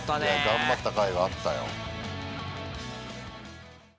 頑張ったかいがあったよ。